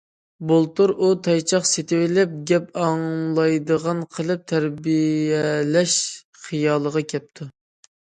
بۇلتۇر ئۇ تايچاق سېتىۋېلىپ گەپ ئاڭلايدىغان قىلىپ تەربىيەلەش خىيالىغا كەپتۇ.